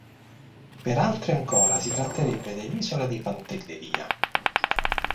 Per altri ancora si tratterebbe dell'isola di Pantelleria.